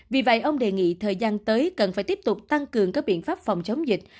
vì vậy ông đề nghị thời gian tới cần phải tiếp tục tăng cường các biện pháp phòng chống dịch